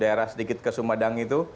daerah sedikit ke sumedang itu